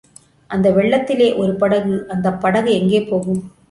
அந்த வெள்ளத்திலே ஒரு படகு, அந்தப் படகு எங்கே போகும்?